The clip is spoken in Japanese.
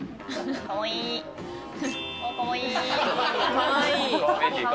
かわいい。